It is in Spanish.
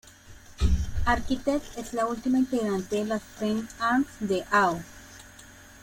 Architect es la última integrante de las Frame Arms de Ao.